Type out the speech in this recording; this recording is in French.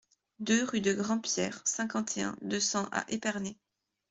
deux rue de Grandpierre, cinquante et un, deux cents à Épernay